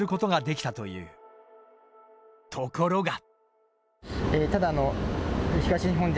ところが。